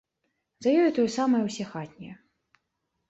За ёю тое самае ўсе хатнія.